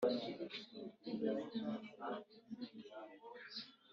shyira ingufuri ku rugi rwa kasho bafungiyemo